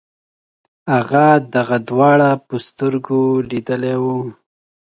هغه دغه دواړه په سترګو لیدلي وو.